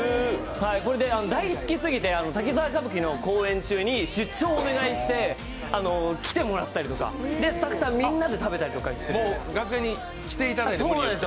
これで大好きすぎて「滝沢歌舞伎」の公演中に出張をお願いして来てもらったりとかしてスタッフさんみんなで食べたりして。